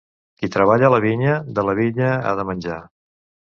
Qui treballa la vinya, de la vinya ha de menjar.